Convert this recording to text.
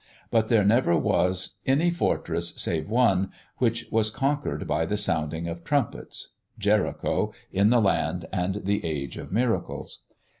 But there never was any fortress save one, which was conquered by the sounding of trumpets Jericho, in the land and the age of miracles.